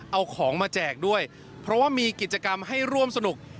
เอาของมาแจกด้วยเพราะว่ามีกิจกรรมให้ร่วมสนุก